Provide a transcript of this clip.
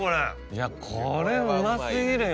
いやこれうま過ぎるよ。